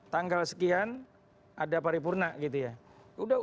tanggal sekian ada paripurna gitu ya